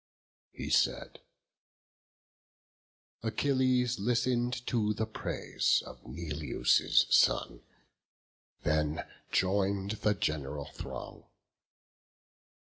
He said; Achilles listen'd to the praise Of Neleus' son; then join'd the gen'ral throng.